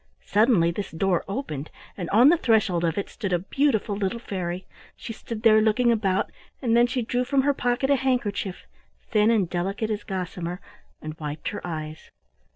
Suddenly this door opened, and on the threshold of it stood a beautiful little fairy. She stood there looking about, and then she drew from her pocket a handkerchief, thin and delicate as gossamer, and wiped her eyes.